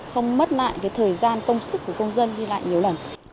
không mất lại cái thời gian công sức của công dân đi lại nhiều lần